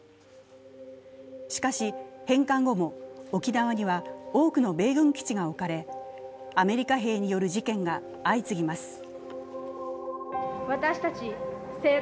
しかし、返還後も沖縄には多くの米軍基地が置かれアメリカ兵による事件が相次ぎます。